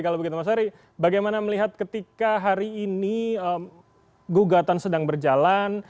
kalau begitu mas heri bagaimana melihat ketika hari ini gugatan sedang berjalan